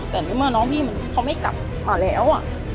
แต่ในเมื่อน้องพี่เขาไม่กลับมาแล้ว